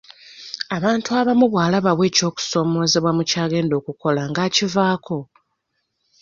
Abantu abamu bw'alabawo okusoomoozebwa mu kyagenda okukola ng'akivaako.